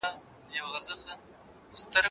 د ځمکې جو د یوې محافظتي پردې په څېر ده.